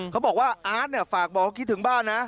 เขาบอกว่าอาจเนี่ยฝากบอกว่าเขาคิดถึงบ้านนะ